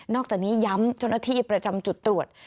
อกจากนี้ย้ำเจ้าหน้าที่ประจำจุดตรวจ